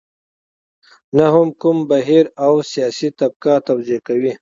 نه هم کوم بهیر او سیاسي طبقه توضیح کوي.